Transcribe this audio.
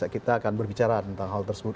kita akan berbicara tentang hal tersebut